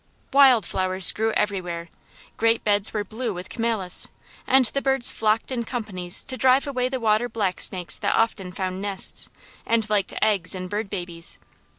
Wild flowers grew everywhere, great beds were blue with calamus, and the birds flocked in companies to drive away the water blacksnakes that often found nests, and liked eggs and bird babies.